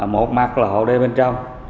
một mặt là hộ đê bên trong